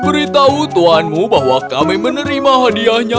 beritahu tuanmu bahwa kami menerima hadiahnya